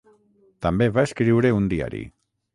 També va escriure un diari.